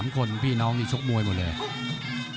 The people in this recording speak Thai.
๓คนพี่น้องนี่ชกมวยหมดเลย